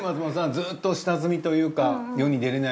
ずっと下積みというか。